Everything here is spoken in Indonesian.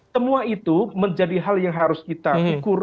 semua itu menjadi hal yang harus kita ukur